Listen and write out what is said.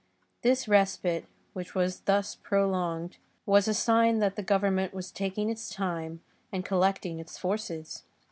This respite, which was thus prolonged, was a sign that the Government was taking its time, and collecting its forces.